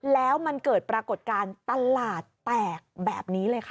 แล้วมันเกิดปรากฏการณ์ตลาดแตกแบบนี้เลยค่ะ